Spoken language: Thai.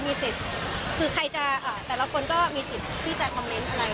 มีสิทธิ์คือใครจะแต่ละคนก็มีสิทธิ์ที่จะคอมเมนต์อะไร